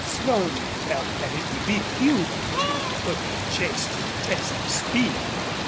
Slone felt that it would be futile to put the chase to a test of speed.